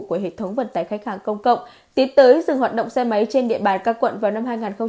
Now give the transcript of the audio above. của hệ thống vận tải khách hàng công cộng tiến tới dừng hoạt động xe máy trên địa bàn các quận vào năm hai nghìn hai mươi